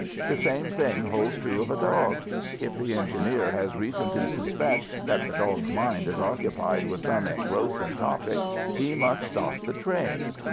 The same thing holds true of a dog. If the engineer has reason to suspect that the dog's mind is occupied with some engrossin' topic, he must stop the train.